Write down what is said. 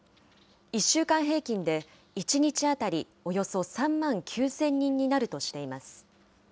１週間平均で１日当たりおよそ３万９０００人になるとしています。